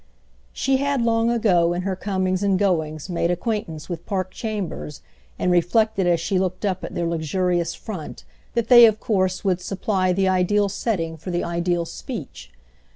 She had long ago, in her comings and goings made acquaintance with Park Chambers and reflected as she looked up at their luxurious front that they, of course, would supply the ideal setting for the ideal speech.